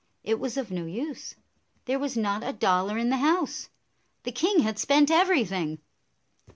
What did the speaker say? It was of no use. There was not a dollar in the house. The king had spent everything.